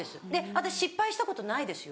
私失敗したことないですよ。